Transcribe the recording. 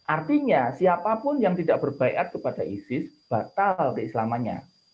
artinya siapapun yang tidak berbaikat kepada isis batal keislamannya